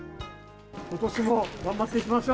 ことしも頑張っていきましょう。